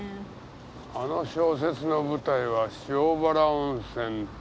あの小説の舞台は塩原温泉と。